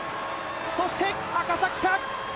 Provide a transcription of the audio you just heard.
そして赤崎か？